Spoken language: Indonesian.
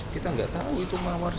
kita nggak tahu itu mawar